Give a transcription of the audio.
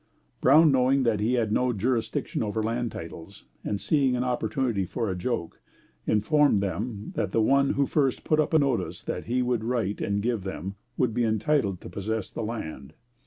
Brown knowing that he had no jurisdiction over land titles and seeing an opportunity for a joke, informed them that the one who first put up a notice that he would write and give them, would be entitled to possess the land.